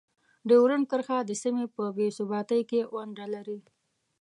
ډیورنډ کرښه د سیمې په بې ثباتۍ کې ونډه لري.